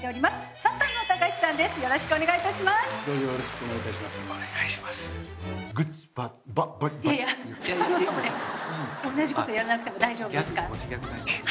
笹野さんも同じことやらなくても大丈夫ですから。